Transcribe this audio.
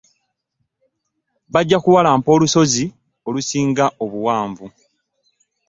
Bajja kuwalampa olusozi olusinga obuwanvu.